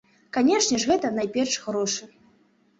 Канешне ж гэта, найперш, грошы.